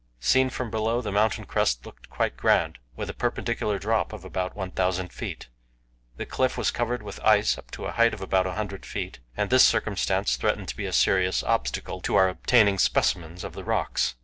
Seen from below the mountain crest looked quite grand, with a perpendicular drop of about 1,000 feet. The cliff was covered with ice up to a height of about 100 feet, and this circumstance threatened to be a serious obstacle to our obtaining specimens of the rocks.